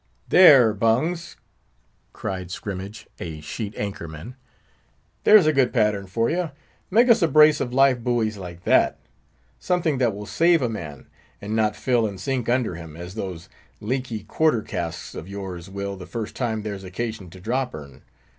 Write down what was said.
"There, Bungs!" cried Scrimmage, a sheet anchor man, "there's a good pattern for you; make us a brace of life buoys like that; something that will save a man, and not fill and sink under him, as those leaky quarter casks of yours will the first time there's occasion to drop 'ern.